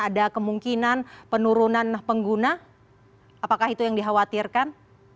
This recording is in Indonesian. ada kemungkinan penurunan pengguna apakah itu yang dikhawatirkan